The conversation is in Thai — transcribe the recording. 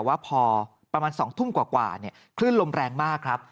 ว่าพอประมาณ๒ทุ่มกว่าคลื่นลมแรงมากครับ